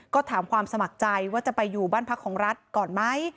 ก็ถามความสมัครใจว่าจะไปอยู่บ้านพักของรัฐก่อนไหม